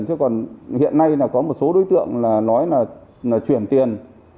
chứ còn hiện nay là có một số đối tượng là nói là chuyển tiền